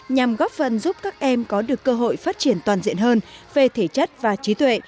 nhằm góp phần giúp các em có được cơ hội phát triển toàn diện hơn về thể chất và trí tuệ